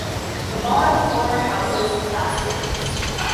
The bottom floor houses classrooms.